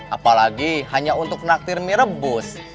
apalagi hanya untuk naktir mie rebus